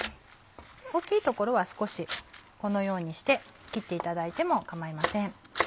大きい所は少しこのようにして切っていただいても構いません。